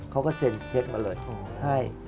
เขาก็เซ็นเช็คมาเลยผมให้